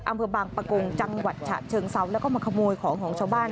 อำเภอบางปะกงจังหวัดฉะเชิงเซาแล้วก็มาขโมยของของชาวบ้าน